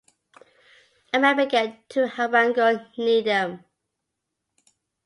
A man began to harangue near them.